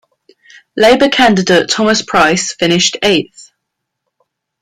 Labor candidate Thomas Price finished eighth.